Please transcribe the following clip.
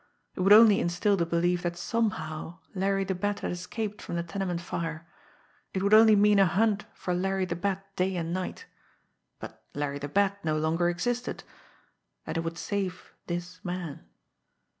It would only instill the belief that somehow Larry the Bat had escaped from the tenement fire; it would only mean a hunt for Larry the Bat day and night but Larry the Bat no longer existed and it would save this man.